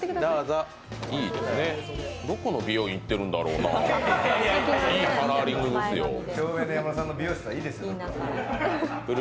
どこの美容院行ってるんだろうな、いいカラーリングですよ。